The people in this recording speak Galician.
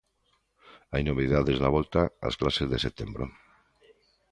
Hai novidades na volta ás clases de setembro.